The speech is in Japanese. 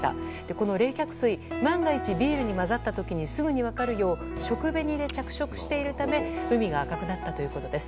この冷却水万が一、ビールに混ざった時にすぐに分かるよう食紅で着色しているため海が赤くなったということです。